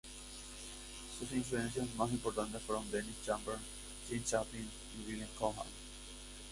Sus influencias más importantes fueron Dennis Chambers, Jim Chapin y Billy Cobham.